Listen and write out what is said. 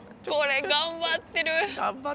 これ頑張ってる。